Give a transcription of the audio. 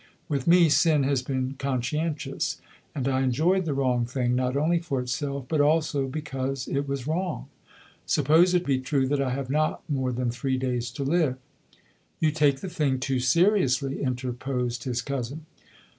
With me sin has been conscientious; and I enjoyed the wrong thing not only for itself but also because it was wrong. Suppose it be true that I have not more than three days to live " "You take the thing too seriously," interposed his cousin.